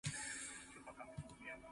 有喙嫌到無瀾